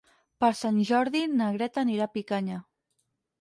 Per Sant Jordi na Greta anirà a Picanya.